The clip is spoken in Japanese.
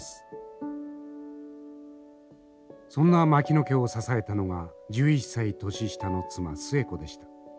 そんな牧野家を支えたのが１１歳年下の妻寿衛子でした。